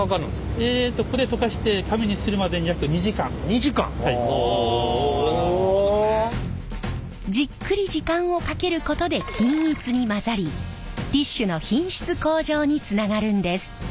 えっとこれ溶かしてじっくり時間をかけることで均一に混ざりティッシュの品質向上につながるんです。